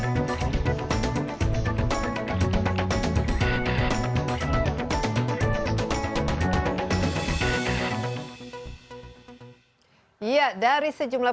satu menulis adalah